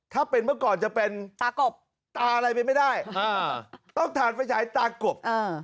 ถ้าเป็นเมื่อก่อนจะเป็นตากบตาอะไรไปไม่ได้ต้องถ่านไฟฉายตากบ